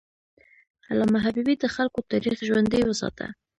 علامه حبیبي د خلکو تاریخ ژوندی وساته.